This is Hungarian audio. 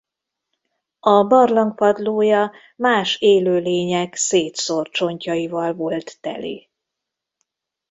A barlang padlója más élőlények szétszórt csontjaival volt teli.